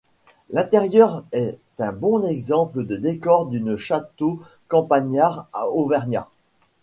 L'intérieur est un bon exemple de décor d'une château campagnard auvergnat.